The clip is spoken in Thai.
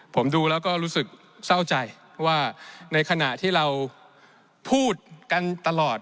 ผมดูแล้วก็รู้สึกเศร้าใจว่าในขณะที่เราพูดกันตลอด